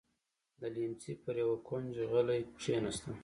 د ليمڅي پر يوه کونج غلې کېناسته.